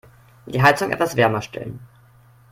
Die Heizung etwas wärmer stellen.